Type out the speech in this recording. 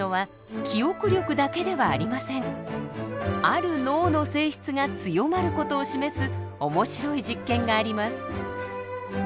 ある脳の性質が強まる事を示す面白い実験があります。